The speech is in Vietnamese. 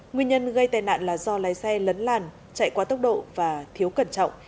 nguyên nhân gây tai nạn là do lái xe lấn làn chạy quá tốc độ và thiếu cẩn trọng